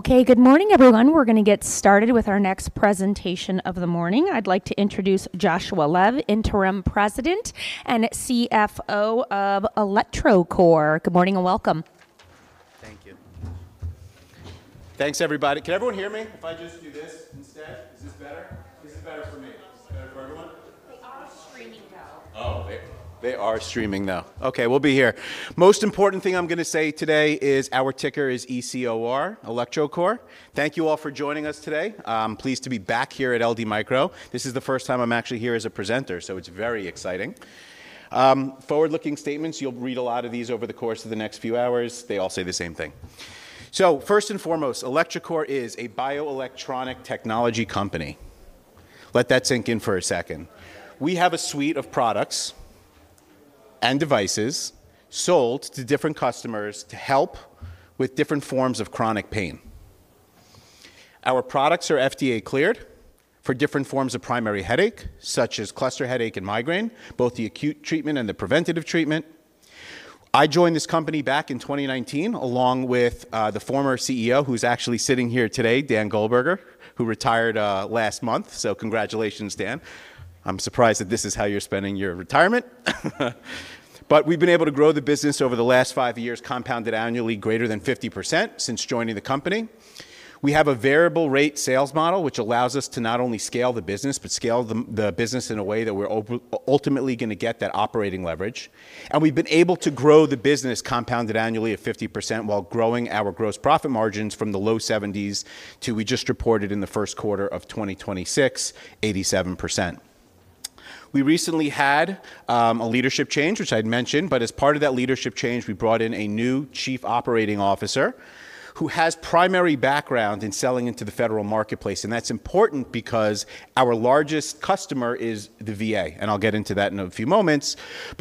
Okay. Good morning, everyone. We're going to get started with our next presentation of the morning. I'd like to introduce Joshua Lev, Interim President and CFO of electroCore. Good morning and welcome. Thank you. Thanks, everybody. Can everyone hear me if I just do this instead? Is this better? This is better for me. Is it better for everyone? They are streaming, though. They are streaming, though. We'll be here. Most important thing I'm gonna say today is our ticker is ECOR, electroCore. Thank you all for joining us today. I'm pleased to be back here at LD Micro. This is the first time I'm actually here as a presenter, it's very exciting. Forward-looking statements, you'll read a lot of these over the course of the next few hours. They all say the same thing. First and foremost, electroCore is a bioelectronic technology company. Let that sink in for a second. We have a suite of products and devices sold to different customers to help with different forms of chronic pain. Our products are FDA-cleared for different forms of primary headache, such as cluster headache and migraine, both the acute treatment and the preventative treatment. I joined this company back in 2019 along with the former CEO, who's actually sitting here today, Dan Goldberger, who retired last month. Congratulations, Dan. I'm surprised that this is how you're spending your retirement. We've been able to grow the business over the last five years, compounded annually greater than 50% since joining the company. We have a variable rate sales model, which allows us to not only scale the business, but scale the business in a way that we're ultimately gonna get that operating leverage. We've been able to grow the business compounded annually at 50% while growing our gross profit margins from the low 70s to we just reported in the first quarter of 2026, 87%. We recently had a leadership change, which I'd mentioned, but as part of that leadership change, we brought in a new Chief Operating Officer who has primary background in selling into the federal marketplace. That's important because our largest customer is the VA. I'll get into that in a few moments.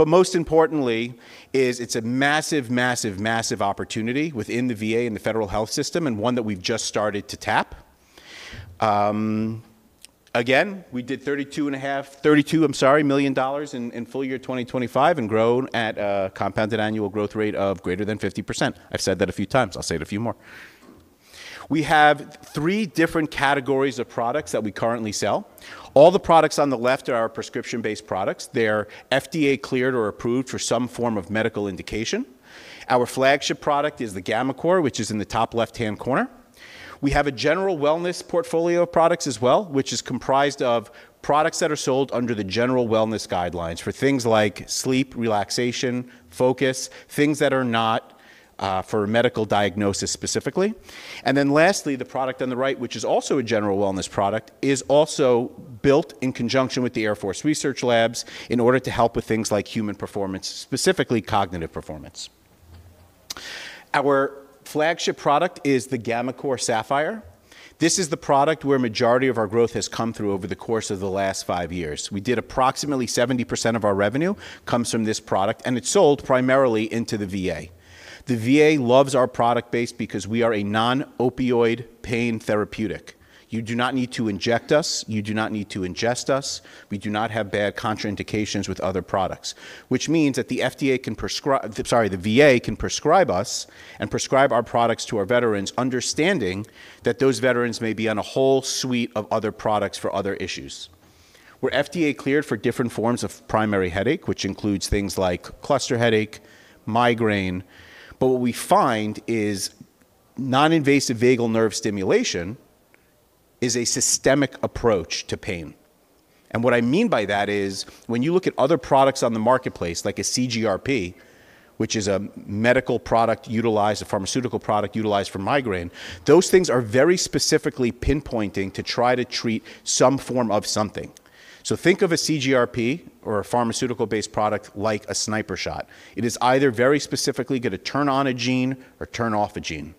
Most importantly is it's a massive, massive opportunity within the VA and the federal health system and one that we've just started to tap. Again, we did $32 million in full-year 2025 and grown at a compounded annual growth rate of greater than 50%. I've said that a few times. I'll say it a few more. We have three different categories of products that we currently sell. All the products on the left are our prescription-based products. They are FDA-cleared or approved for some form of medical indication. Our flagship product is the gammaCore, which is in the top left-hand corner. We have a general wellness portfolio of products as well, which is comprised of products that are sold under the general wellness guidelines for things like sleep, relaxation, focus, things that are not for medical diagnosis specifically. Lastly, the product on the right, which is also a general wellness product, is also built in conjunction with the Air Force Research Labs in order to help with things like human performance, specifically cognitive performance. Our flagship product is the gammaCore Sapphire. This is the product where majority of our growth has come through over the course of the last five years. We did approximately 70% of our revenue comes from this product, and it's sold primarily into the VA. The VA loves our product base because we are a non-opioid pain therapeutic. You do not need to inject us. You do not need to ingest us. We do not have bad contraindications with other products, which means that the FDA can prescribe us and prescribe our products to our veterans, understanding that those veterans may be on a whole suite of other products for other issues. We're FDA-cleared for different forms of primary headache, which includes things like cluster headache, migraine. What we find is non-invasive vagal nerve stimulation is a systemic approach to pain. What I mean by that is when you look at other products on the marketplace, like a CGRP, which is a medical product utilized, a pharmaceutical product utilized for migraine, those things are very specifically pinpointing to try to treat some form of something. Think of a CGRP or a pharmaceutical-based product like a sniper shot. It is either very specifically gonna turn on a gene or turn off a gene.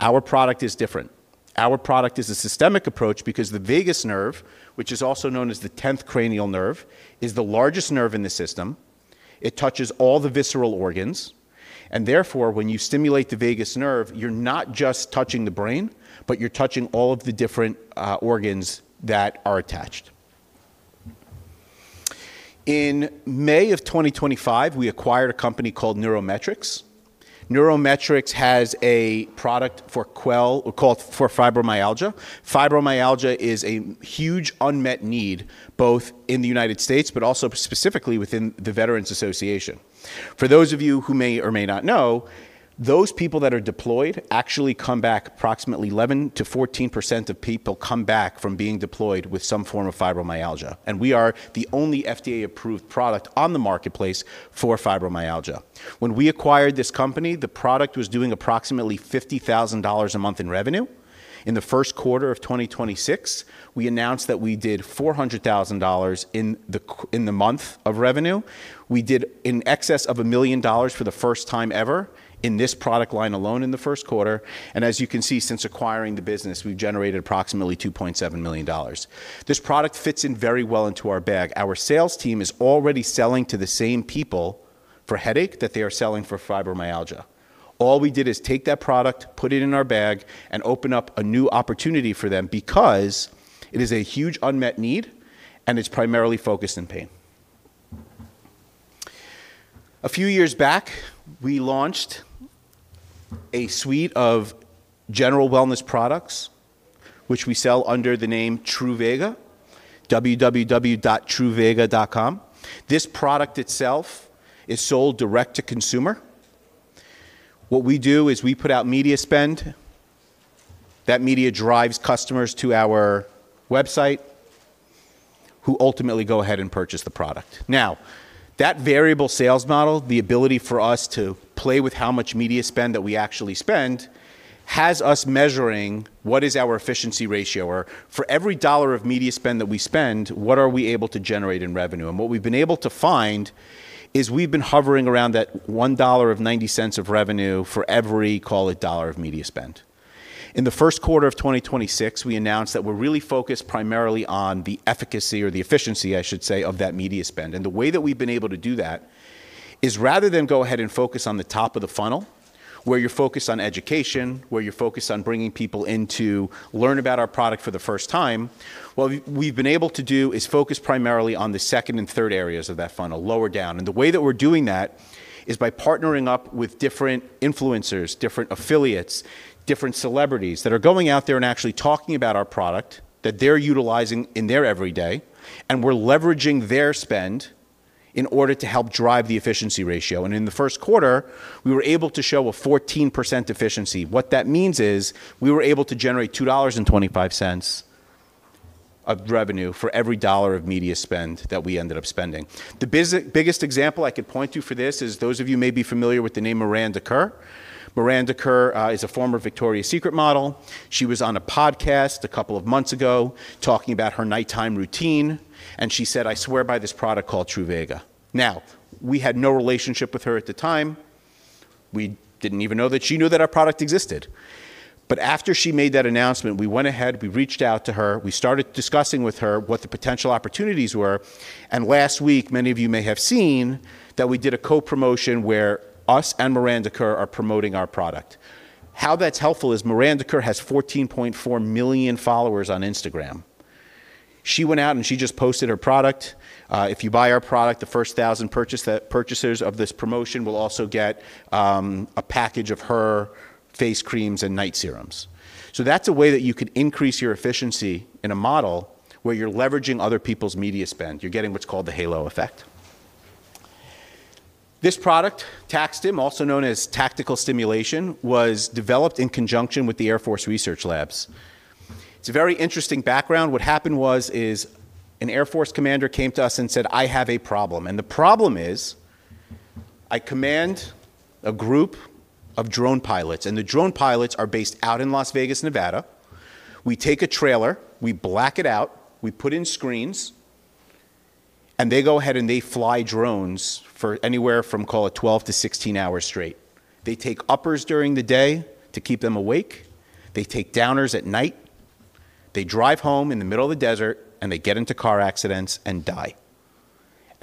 Our product is different. Our product is a systemic approach because the vagus nerve, which is also known as the 10th cranial nerve, is the largest nerve in the system. It touches all the visceral organs. Therefore, when you stimulate the vagus nerve, you're not just touching the brain, but you're touching all of the different organs that are attached. In May of 2025, we acquired a company called NeuroMetrix. NeuroMetrix has a product called Quell for fibromyalgia. Fibromyalgia is a huge unmet need both in the U.S. but also specifically within the Veterans Health Administration. For those of you who may or may not know, those people that are deployed actually come back approximately 11%-14% of people come back from being deployed with some form of fibromyalgia. We are the only FDA-approved product on the marketplace for fibromyalgia. When we acquired this company, the product was doing approximately $50,000 a month in revenue. In the first quarter of 2026, we announced that we did $400,000 in the month of revenue. We did in excess of $1 million for the first time ever in this product line alone in the first quarter. As you can see, since acquiring the business, we've generated approximately $2.7 million. This product fits in very well into our bag. Our sales team is already selling to the same people for headache that they are selling for fibromyalgia. All we did is take that product, put it in our bag, and open up a new opportunity for them because it is a huge unmet need, and it's primarily focused in pain. A few years back, we launched a suite of general wellness products, which we sell under the name Truvaga, www.truvaga.com. This product itself is sold direct to consumer. What we do is we put out media spend. That media drives customers to our website who ultimately go ahead and purchase the product. That variable sales model, the ability for us to play with how much media spend that we actually spend, has us measuring what is our efficiency ratio, or for every $1 of media spend that we spend, what are we able to generate in revenue? What we've been able to find is we've been hovering around that $1.90 of revenue for every, call it $1 of media spend. In the first quarter of 2026, we announced that we're really focused primarily on the efficacy or the efficiency, I should say, of that media spend. The way that we've been able to do that is rather than go ahead and focus on the top of the funnel, where you're focused on education, where you're focused on bringing people in to learn about our product for the first time, what we've been able to do is focus primarily on the second and third areas of that funnel, lower down. The way that we're doing that is by partnering up with different influencers, different affiliates, different celebrities that are going out there and actually talking about our product that they're utilizing in their every day, and we're leveraging their spend in order to help drive the efficiency ratio. In the first quarter, we were able to show a 14% efficiency. What that means is we were able to generate $2.25 of revenue for every $1 of media spend that we ended up spending. The biggest example I could point to for this is those of you may be familiar with the name Miranda Kerr. Miranda Kerr is a former Victoria's Secret model. She was on a podcast a couple of months ago talking about her nighttime routine, and she said, "I swear by this product called Truvaga." We had no relationship with her at the time. We didn't even know that she knew that our product existed. After she made that announcement, we went ahead, we reached out to her, we started discussing with her what the potential opportunities were. Last week, many of you may have seen that we did a co-promotion where us and Miranda Kerr are promoting our product. How that's helpful is Miranda Kerr has 14.4 million followers on Instagram. She went out, and she just posted her product. If you buy our product, the first 1,000 purchasers of this promotion will also get a package of her face creams and night serums. That's a way that you could increase your efficiency in a model where you're leveraging other people's media spend. You're getting what's called the halo effect. This product, TAC-STIM, also known as Tactical Stimulation, was developed in conjunction with the Air Force Research Labs. It's a very interesting background. What happened was, is an Air Force commander came to us and said, "I have a problem. The problem is I command a group of drone pilots, and the drone pilots are based out in Las Vegas, Nevada. We take a trailer, we black it out, we put in screens, and they go ahead, and they fly drones for anywhere from, call it 12-16 hours straight. They take uppers during the day to keep them awake. They take downers at night. They drive home in the middle of the desert, and they get into car accidents and die.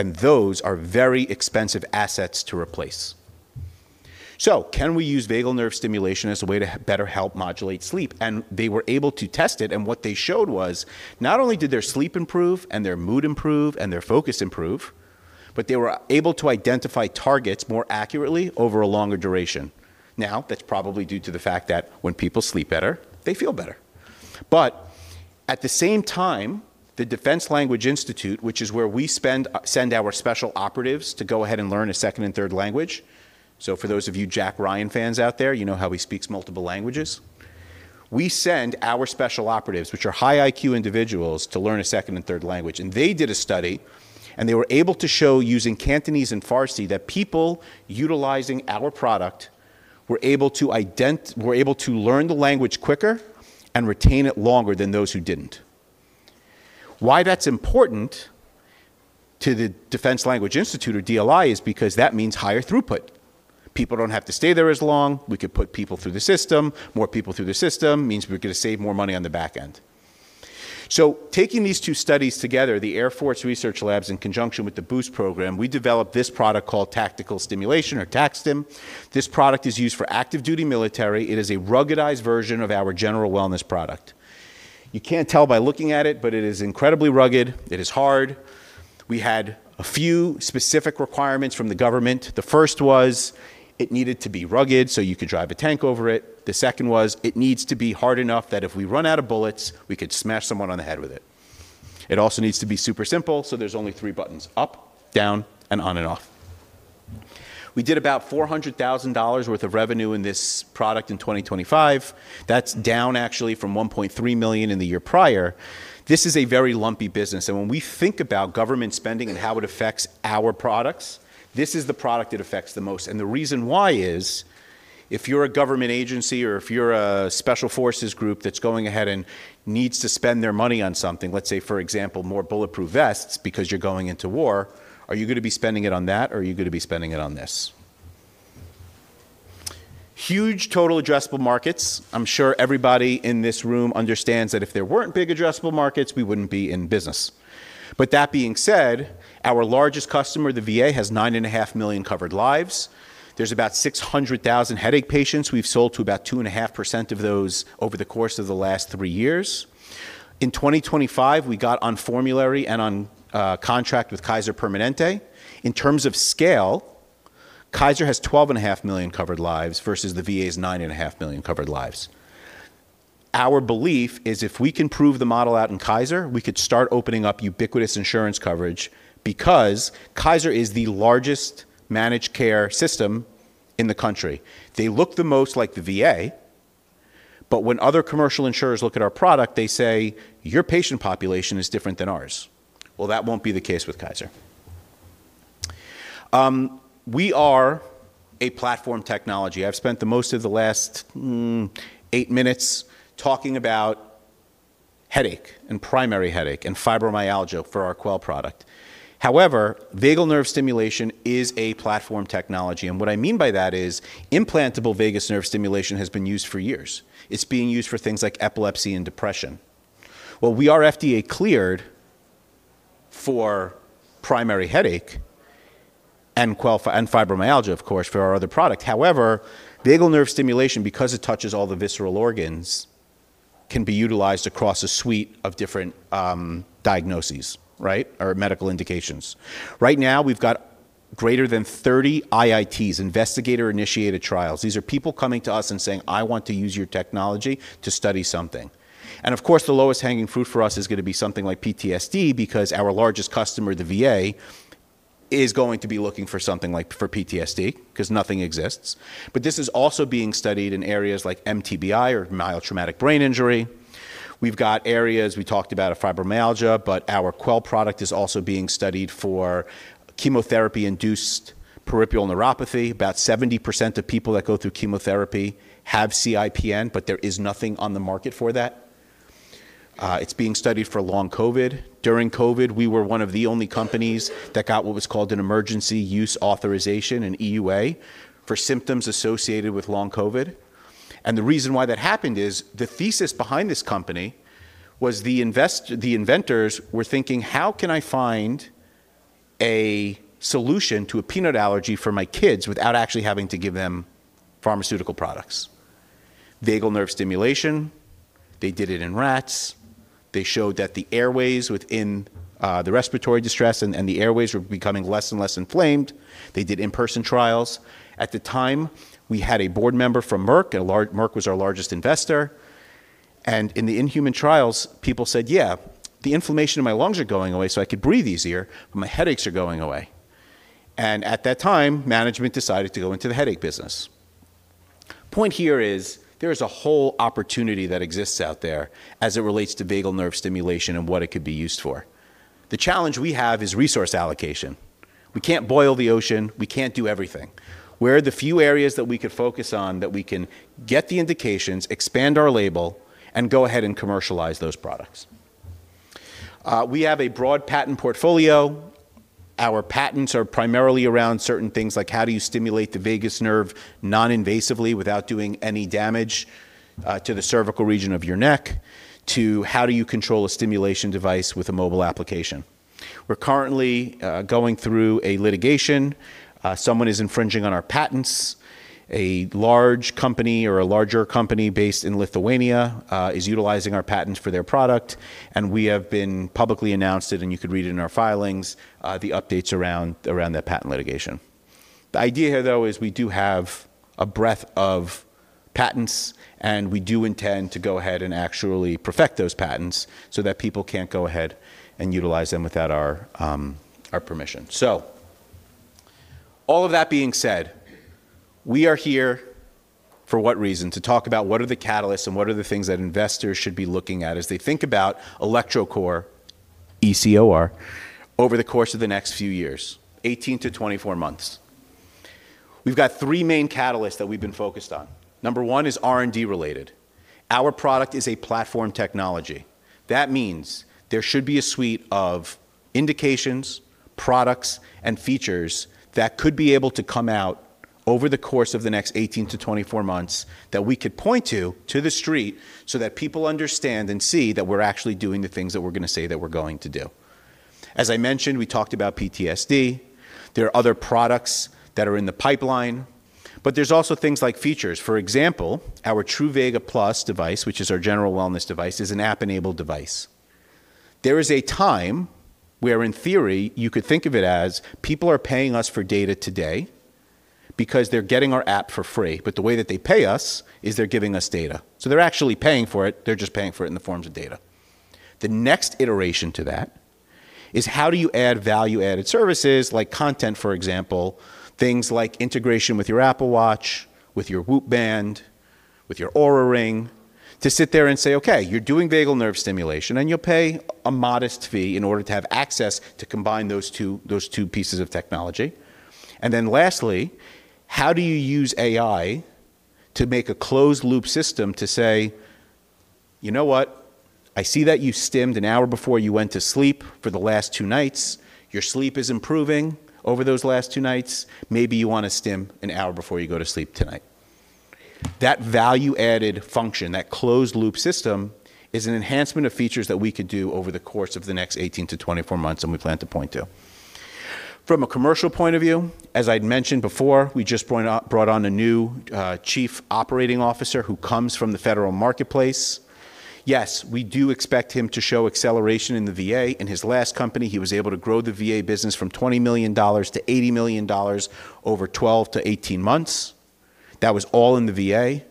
Those are very expensive assets to replace. Can we use vagal nerve stimulation as a way to better help modulate sleep? They were able to test it, and what they showed was not only did their sleep improve and their mood improve and their focus improve, but they were able to identify targets more accurately over a longer duration. That's probably due to the fact that when people sleep better, they feel better. At the same time, the Defense Language Institute, which is where we send our special operatives to go ahead and learn a second and third language. For those of you Jack Ryan fans out there, you know how he speaks multiple languages. We send our special operatives, which are high IQ individuals, to learn a second and third language. They did a study, and they were able to show using Cantonese and Farsi that people utilizing our product were able to learn the language quicker and retain it longer than those who didn't. Why that's important to the Defense Language Institute or DLI is because that means higher throughput. People don't have to stay there as long. We could put people through the system. More people through the system means we're gonna save more money on the back end. Taking these two studies together, the Air Force Research Labs in conjunction with the Boost program, we developed this product called Tactical Stimulation or TAC-STIM. This product is used for active duty military. It is a ruggedized version of our general wellness product. You can't tell by looking at it, but it is incredibly rugged. It is hard. We had a few specific requirements from the government. The first was it needed to be rugged, so you could drive a tank over it. The second was it needs to be hard enough that if we run out of bullets, we could smash someone on the head with it. It also needs to be super simple, so there's only three buttons: up, down, and on and off. We did about $400,000 worth of revenue in this product in 2025. That's down actually from $1.3 million in the year prior. This is a very lumpy business, and when we think about government spending and how it affects our products, this is the product it affects the most. The reason why is if you're a government agency or if you're a special forces group that's going ahead and needs to spend their money on something, let's say, for example, more bulletproof vests because you're going into war, are you gonna be spending it on that, or are you gonna be spending it on this? Huge total addressable markets. I'm sure everybody in this room understands that if there weren't big addressable markets, we wouldn't be in business. That being said, our largest customer, the VA, has 9.5 million covered lives. There's about 600,000 headache patients. We've sold to about 2.5% of those over the course of the last three years. In 2025, we got on formulary and on contract with Kaiser Permanente. In terms of scale, Kaiser has twelve and a half million covered lives versus the VA's nine and a half million covered lives. Our belief is if we can prove the model out in Kaiser, we could start opening up ubiquitous insurance coverage because Kaiser is the largest managed care system in the country. They look the most like the VA. When other commercial insurers look at our product, they say, "Your patient population is different than ours." Well, that won't be the case with Kaiser. We are a platform technology. I've spent the most of the last eight minutes talking about headache and primary headache and fibromyalgia for our Quell product. Vagus nerve stimulation is a platform technology. What I mean by that is implantable vagus nerve stimulation has been used for years. It's being used for things like epilepsy and depression. Well, we are FDA-cleared for primary headache and Quell for fibromyalgia, of course, for our other product. Vagal nerve stimulation, because it touches all the visceral organs, can be utilized across a suite of different diagnoses, right, or medical indications. Right now, we've got greater than 30 IITs, investigator-initiated trials. These are people coming to us and saying, "I want to use your technology to study something." Of course, the lowest-hanging fruit for us is going to be something like PTSD because our largest customer, the VA, is going to be looking for something like for PTSD because nothing exists. This is also being studied in areas like mTBI or mild traumatic brain injury. We've got areas, we talked about fibromyalgia, our Quell product is also being studied for chemotherapy-induced peripheral neuropathy. About 70% of people that go through chemotherapy have CIPN. There is nothing on the market for that. It's being studied for long COVID. During COVID, we were one of the only companies that got what was called an emergency use authorization, an EUA, for symptoms associated with long COVID. The reason why that happened is the thesis behind this company was the inventors were thinking, "How can I find a solution to a peanut allergy for my kids without actually having to give them pharmaceutical products?" Vagal nerve stimulation, they did it in rats. They showed that the airways within the respiratory distress and the airways were becoming less and less inflamed. They did in-person trials. At the time, we had a board member from Merck, and Merck was our largest investor. In the human trials, people said, "Yeah, the inflammation in my lungs are going away, so I could breathe easier, but my headaches are going away." At that time, management decided to go into the headache business. Point here is there is a whole opportunity that exists out there as it relates to vagal nerve stimulation and what it could be used for. The challenge we have is resource allocation. We can't boil the ocean. We can't do everything. Where are the few areas that we could focus on that we can get the indications, expand our label, and go ahead and commercialize those products? We have a broad patent portfolio. Our patents are primarily around certain things like how do you stimulate the vagus nerve non-invasively without doing any damage to the cervical region of your neck, to how do you control a stimulation device with a mobile application. We're currently going through a litigation. Someone is infringing on our patents. A large company or a larger company based in Lithuania is utilizing our patents for their product, and we have been publicly announced it, and you could read it in our filings, the updates around that patent litigation. The idea here, though, is we do have a breadth of patents, and we do intend to go ahead and actually perfect those patents so that people can't go ahead and utilize them without our permission. All of that being said, we are here for what reason? To talk about what are the catalysts and what are the things that investors should be looking at as they think about electroCore, ECOR, over the course of the next few years, 18-24 months. We've got three main catalysts that we've been focused on. Number one is R&D related. Our product is a platform technology. That means there should be a suite of indications, products, and features that could be able to come out over the course of the next 18-24 months that we could point to the street, so that people understand and see that we're actually doing the things that we're gonna say that we're going to do. As I mentioned, we talked about PTSD. There are other products that are in the pipeline, but there's also things like features. For example, our Truvaga Plus device, which is our general wellness device, is an app-enabled device. There is a time where, in theory, you could think of it as people are paying us for data today because they're getting our app for free. The way that they pay us is they're giving us data. They're actually paying for it. They're just paying for it in the forms of data. The next iteration to that is how do you add value-added services like content, for example, things like integration with your Apple Watch, with your Whoop band, with your Oura Ring, to sit there and say, "Okay, you're doing vagal nerve stimulation, and you'll pay a modest fee in order to have access to combine those two pieces of technology." Lastly, how do you use AI to make a closed-loop system to say, "You know what? I see that you stimmed an hour before you went to sleep for the last two nights. Your sleep is improving over those last two nights. Maybe you wanna stim an hour before you go to sleep tonight. That value added function, that closed loop system, is an enhancement of features that we could do over the course of the next 18-24 months, and we plan to point to. From a commercial point of view, as I'd mentioned before, we just brought on a new Chief Operating Officer who comes from the federal marketplace. Yes, we do expect him to show acceleration in the VA. In his last company, he was able to grow the VA business from $20 million - $80 million over 12-18 months. That was all in the VA.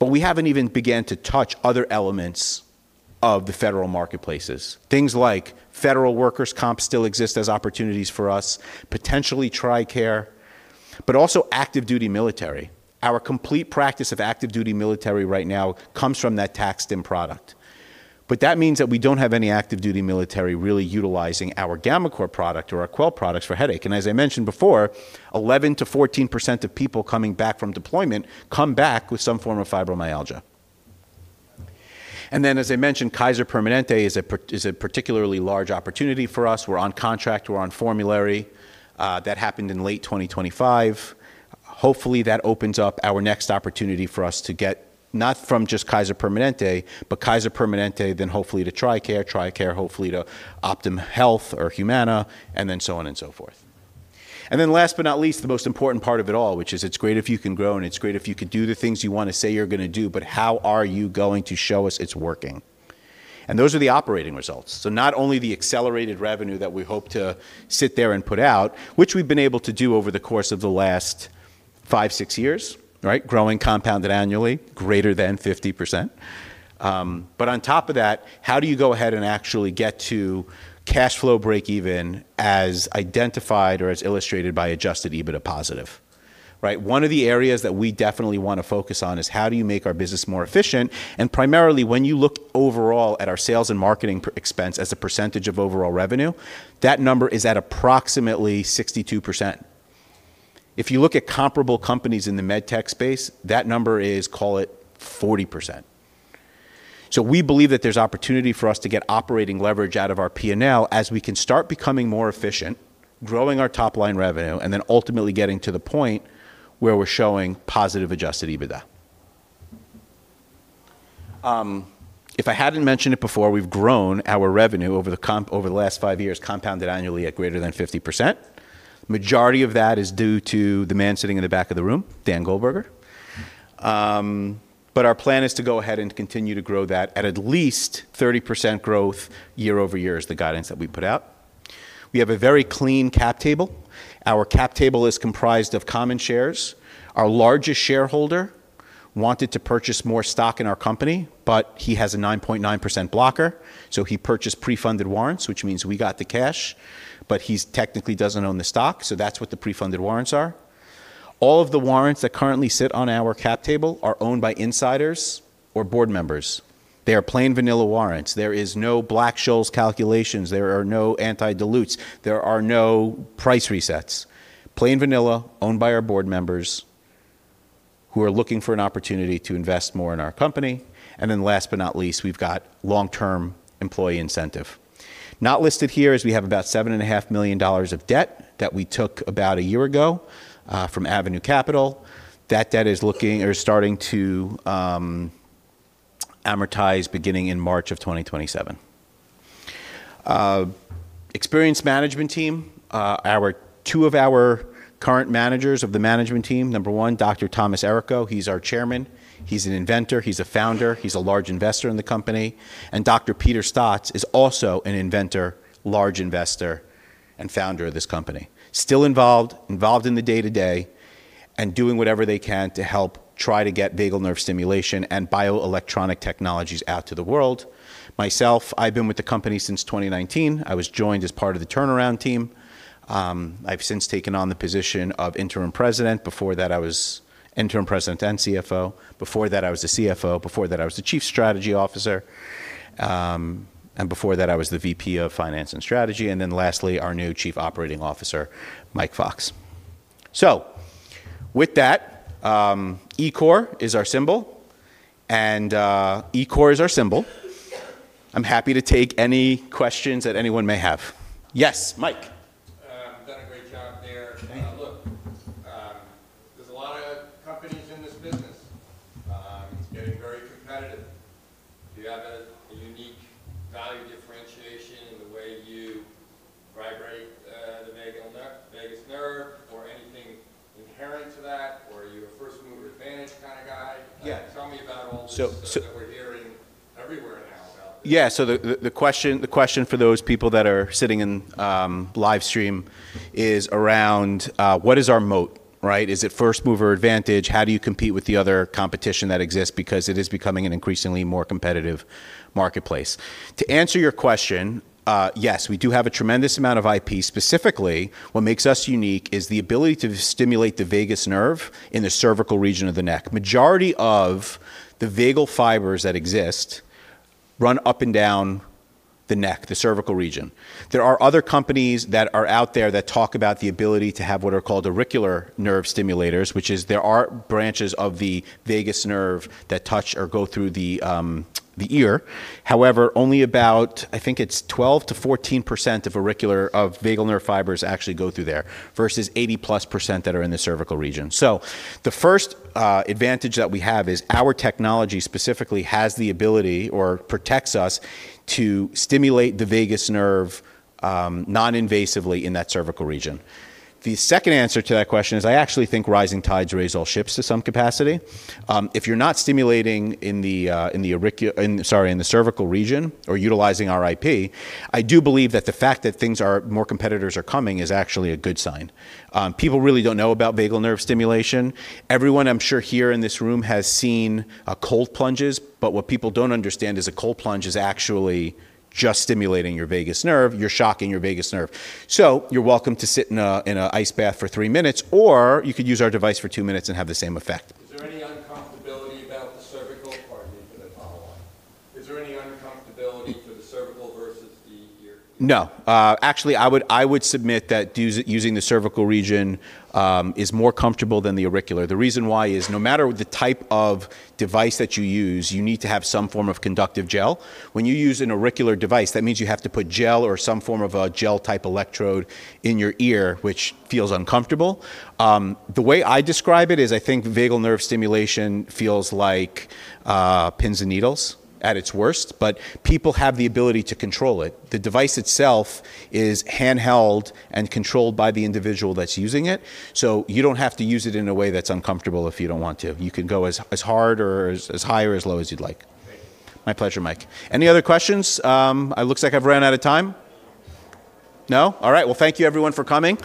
We haven't even began to touch other elements of the federal marketplaces. Things like federal workers comp still exist as opportunities for us, potentially TRICARE, but also active duty military. Our complete practice of active duty military right now comes from that TAC-STIM product. That means that we don't have any active duty military really utilizing our gammaCore product or our Quell products for headache. As I mentioned before, 11%-14% of people coming back from deployment come back with some form of fibromyalgia. As I mentioned, Kaiser Permanente is a particularly large opportunity for us. We're on contract. We're on formulary. That happened in late 2025. That opens up our next opportunity for us to get not from just Kaiser Permanente, but Kaiser Permanente then hopefully to TRICARE hopefully to Optum Health or Humana, so on and so forth. Last but not least, the most important part of it all, which is it's great if you can grow and it's great if you could do the things you want to say you're going to do, but how are you going to show us it's working? Those are the operating results. Not only the accelerated revenue that we hope to sit there and put out, which we've been able to do over the course of the last five, six years, right? Growing compounded annually greater than 50%. On top of that, how do you go ahead and actually get to cash flow break even as identified or as illustrated by adjusted EBITDA positive, right? One of the areas that we definitely wanna focus on is how do you make our business more efficient? Primarily, when you look overall at our sales and marketing expense as a percentage of overall revenue, that number is at approximately 62%. If you look at comparable companies in the medtech space, that number is, call it, 40%. We believe that there's opportunity for us to get operating leverage out of our P&L as we can start becoming more efficient, growing our top-line revenue, and then ultimately getting to the point where we're showing positive adjusted EBITDA. If I hadn't mentioned it before, we've grown our revenue over the last five years, compounded annually at greater than 50%. Majority of that is due to the man sitting in the back of the room, Dan Goldberger. Our plan is to go ahead and continue to grow that at least 30% growth year over year is the guidance that we put out. We have a very clean cap table. Our cap table is comprised of common shares. Our largest shareholder wanted to purchase more stock in our company, but he has a 9.9% blocker, so he purchased pre-funded warrants, which means we got the cash, but he's technically doesn't own the stock, so that's what the pre-funded warrants are. All of the warrants that currently sit on our cap table are owned by insiders or board members. They are plain vanilla warrants. There is no Black-Scholes calculations. There are no anti-dilutes. There are no price resets. Plain vanilla, owned by our board members who are looking for an opportunity to invest more in our company. Last but not least, we've got long-term employee incentive. Not listed here is we have about $7.5 million of debt that we took about a year ago from Avenue Capital. That debt is looking or starting to amortize beginning in March of 2027. Experience management team, two of our current managers of the management team, number one, Dr. Thomas Errico, he's our Chairman. He's an inventor. He's a founder. He's a large investor in the company. Dr. Peter Staats is also an inventor, large investor, and founder of this company. Still involved in the day-to-day, and doing whatever they can to help try to get vagal nerve stimulation and bioelectronic technologies out to the world. Myself, I've been with the company since 2019. I was joined as part of the turnaround team. I've since taken on the position of interim president. Before that, I was interim president and CFO. Before that, I was the CFO. Before that, I was the chief strategy officer. Before that, I was the VP of finance and strategy. Lastly, our new Chief Operating Officer, Mike Fox. With that, ECOR is our symbol. I'm happy to take any questions that anyone may have. Yes, Mike. You've done a great job there. Thank you. look, there's a lot of companies in this business. it's getting very competitive. Do you have a unique value differentiation in the way you vibrate, the vagus nerve or anything inherent to that, or are you a first mover advantage kinda guy? Yeah. Tell me about all this. So, so- That we're hearing everywhere now about this. The question for those people that are sitting in live stream is around what is our moat, right? Is it first mover advantage? How do you compete with the other competition that exists? It is becoming an increasingly more competitive marketplace. To answer your question, yes, we do have a tremendous amount of IP. Specifically, what makes us unique is the ability to stimulate the vagus nerve in the cervical region of the neck. Majority of the vagal fibers that exist run up and down the neck, the cervical region. There are other companies that are out there that talk about the ability to have what are called auricular nerve stimulators, which is there are branches of the vagus nerve that touch or go through the ear. However, only about, I think it's 12%-14% of vagal nerve fibers actually go through there versus 80%+ that are in the cervical region. The first advantage that we have is our technology specifically has the ability or protects us to stimulate the vagus nerve non-invasively in that cervical region. The second answer to that question is I actually think rising tides raise all ships to some capacity. If you're not stimulating in the, in, sorry, in the cervical region or utilizing our IP, I do believe that the fact that more competitors are coming is actually a good sign. People really don't know about vagal nerve stimulation. Everyone, I'm sure, here in this room has seen cold plunges. What people don't understand is a cold plunge is actually just stimulating your vagus nerve. You're shocking your vagus nerve. You're welcome to sit in an ice bath for three minutes, or you could use our device for two minutes and have the same effect. Is there any uncomfortability about the cervical? Pardon me. Can I follow on? Is there any uncomfortability to the cervical versus the ear? No. Actually, I would submit that using the cervical region is more comfortable than the auricular. The reason why is no matter the type of device that you use, you need to have some form of conductive gel. When you use an auricular device, that means you have to put gel or some form of a gel-type electrode in your ear, which feels uncomfortable. The way I describe it is I think vagal nerve stimulation feels like pins and needles at its worst, but people have the ability to control it. The device itself is handheld and controlled by the individual that's using it. You don't have to use it in a way that's uncomfortable if you don't want to. You can go as hard or as high or as low as you'd like. Thank you. My pleasure, Mike. Any other questions? It looks like I've ran out of time. No? All right. Well, thank you everyone for coming.